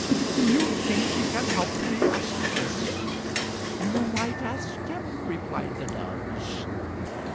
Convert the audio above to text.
"Do you think he can help me?" asked the Prince. "You might ask him," replied the doves.